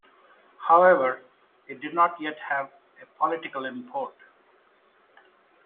However, it did not yet have a political import.